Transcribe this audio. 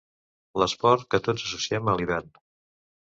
L'esport que tots associem a l'hivern.